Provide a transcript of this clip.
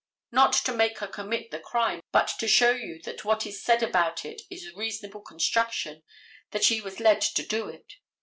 Not to make her commit the crime, but to show you that what is said about it is a reasonable construction, that she was led to do it.